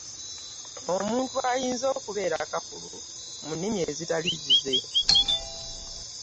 Omuntu ayinza okubeera kafulu mu nnimi ezitali zize.